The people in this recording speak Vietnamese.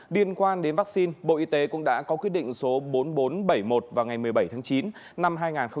liên quan đến vaccine bộ y tế cũng đã có quyết định số bốn nghìn bốn trăm bảy mươi một vào ngày một mươi bảy tháng chín năm hai nghìn một mươi chín